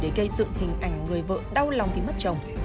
để gây sự hình ảnh người vợ đau lòng vì mất chồng